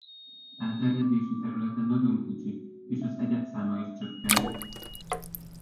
Elterjedési területe nagyon kicsi és az egyedszáma is csökkenő.